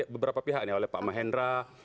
beberapa pihak ya oleh pak mahendra